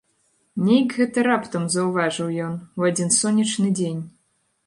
Нейк гэта раптам заўважыў ён, у адзін сонечны дзень.